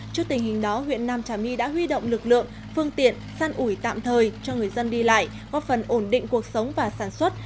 trước tình hình đó huyện nam trà my đã huy động lực lượng phương tiện săn ủi tạm thời cho người dân đi lại góp phần ổn định cuộc sống và sản xuất